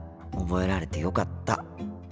覚えられてよかった。